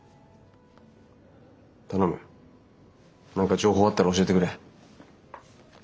頼む何か情報あったら教えてくれ。